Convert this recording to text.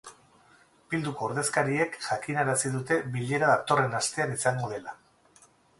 Bilduko ordezkariek jakinarazi dute bilera datorren astean izango dela.